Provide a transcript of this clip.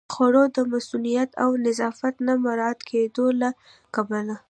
د خوړو د مصئونیت او نظافت نه مراعت کېدو له کبله